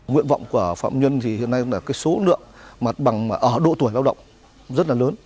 nguyện vọng của phạm nhân thì hiện nay là số lượng ở độ tuổi lao động rất là lớn